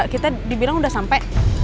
kita dibilang udah sampe